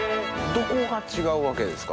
どこが違うわけですか？